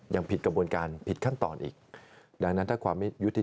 ยังผิดกระบวนการผิดขั้นตอนอีกดังนั้นถ้าความยุทธิดำมีอยู่จริง